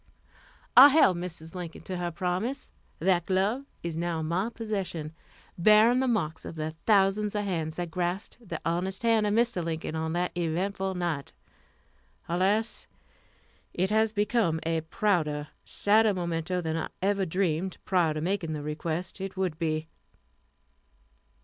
I held Mrs. Lincoln to her promise. That glove is now in my possession, bearing the marks of the thousands of hands that grasped the honest hand of Mr. Lincoln on that eventful night. Alas! it has become a prouder, sadder memento than I ever dreamed prior to making the request it would be.